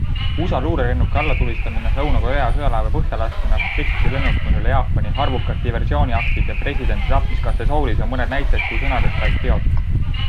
USA luurelennuki allatulistamine, Lõuna-Korea sõjalaeva põhjalaskmine, rakettide lennutamine üle Jaapani, arvukad diversiooniaktid ja presidendi tapmiskatse Soulis on mõned näited, kui sõnadest said teod.